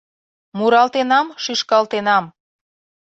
Муралтенам-шӱшкалтенам -